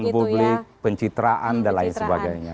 publik pencitraan dan lain sebagainya